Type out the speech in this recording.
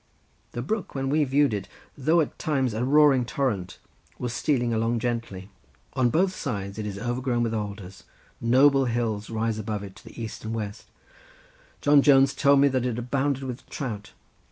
The brook, when we viewed it, though at times a roaring torrent, was stealing along gently. On both sides it is overgrown with alders; noble hills rise above it to the east and west; John Jones told me that it abounded with trout.